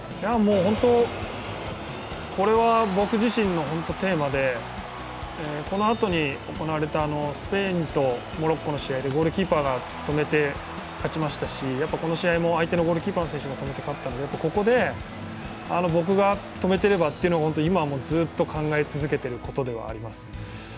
これは僕自身のテーマでこのあとに行われたスペインとモロッコの試合でゴールキーパーが止めて勝ちましたし、この試合も相手のゴールキーパーの選手が止めて勝ったのでここで僕が止めてればっていうのは、今もずっと考え続けてることではあります。